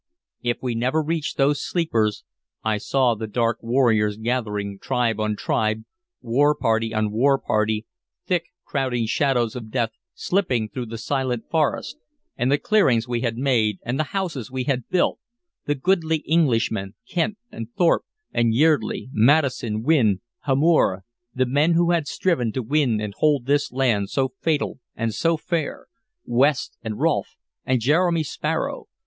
If we never reached those sleepers I saw the dark warriors gathering, tribe on tribe, war party on war party, thick crowding shadows of death, slipping though the silent forest... and the clearings we had made and the houses we had built... the goodly Englishmen, Kent and Thorpe and Yeardley, Maddison, Wynne, Hamor, the men who had striven to win and hold this land so fatal and so fair, West and Rolfe and Jeremy Sparrow...